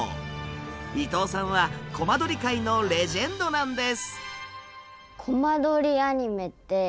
伊藤さんはコマ撮り界のレジェンドなんです。